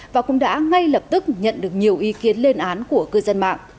và cũng đã ngay lập tức nhận được nhiều ý kiến lên án của cư dân mạng